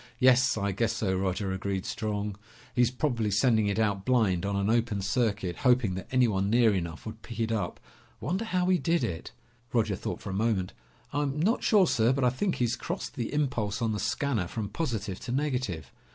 "Yes, I guess so, Roger," agreed Strong. "He's probably sending it out blind, on an open circuit, hoping that anyone near enough would pick it up. Wonder how he did it?" Roger thought a moment. "I'm not sure, sir, but I think he's crossed the impulse on the scanner from positive to negative."